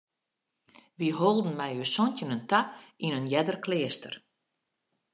Wy holden mei ús santjinnen ta yn in earder kleaster.